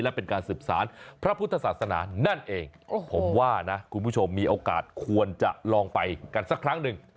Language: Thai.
และเป็นการสืบสารพระพุทธศาสนานั่นเองผมว่านะคุณผู้ชมมีโอกาสควรจะลองไปกันสักครั้งหนึ่ง